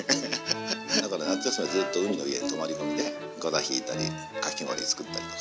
だから夏休みはずっと海の家に泊まり込みでござひいたりかき氷作ったりとか。